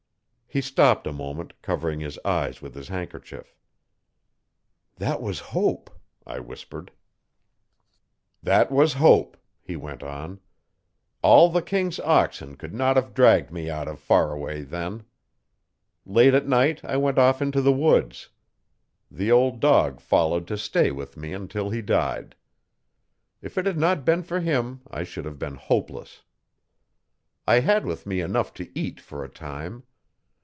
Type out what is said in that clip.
He stopped a moment, covering his eyes with his handkerchief. 'That was Hope,' I whispered. 'That was Hope,' he went on. 'All the king's oxen could not have dragged me out of Faraway then. Late at night I went off into the woods. The old dog followed to stay with me until he died. If it had not been for him I should have been hopeless. I had with me enough to eat for a time.